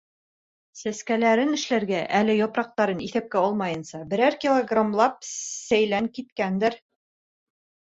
Сәскәләрен эшләргә, әле япраҡтарын иҫәпкә алмайынса, берәр килограмлап сәйлән киткәндер.